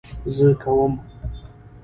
زه کوم